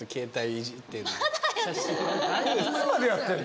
いつまでやってんの？